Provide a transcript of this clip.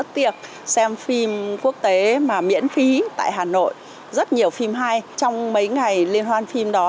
trong mấy ngày liên hoan phim đó